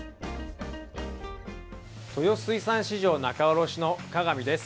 豊洲水産市場仲卸の加々見です。